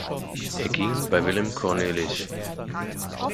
Er ging bei "Willem Cornelisz.